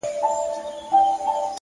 هڅه د وېرې دروازه تړي!